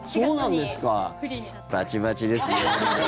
バチバチですね。